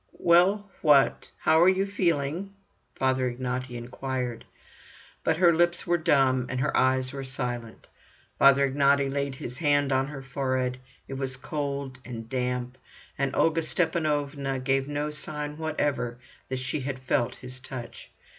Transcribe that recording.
"Well, what? How are you feeling?" Father Ignaty inquired. But her lips were dumb, and her eyes were silent. Father Ignaty laid his hand on her forehead; it was cold and damp, and Olga Stepanovna gave no sign whatever that she had felt his touch.